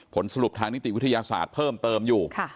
ผลสรุปทางนิติวิทยาศาสตร์เพิ่มเติมอยู่